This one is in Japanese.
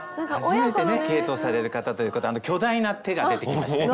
初めてね毛糸をされる方ということで巨大な手が出てきまして。